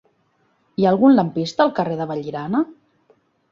Hi ha algun lampista al carrer de Vallirana?